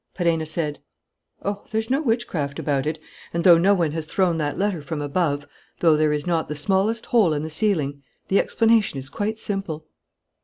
Perenna said: "Oh, there's no witchcraft about it; and, though no one has thrown that letter from above, though there is not the smallest hole in the ceiling, the explanation is quite simple!"